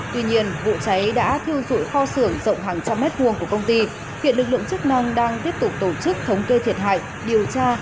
tuy nhiên vụ cháy đã thiêu rụi kho sửa rộng hàng trăm mét vuông của công ty